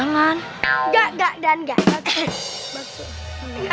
gak gak gak